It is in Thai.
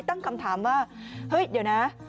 ตั้งคำถามว่าเฮ้ยเดี๋ยวนะ